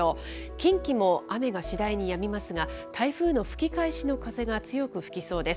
近畿も雨が次第にやみますが、台風の吹き返しの風が強く吹きそうです。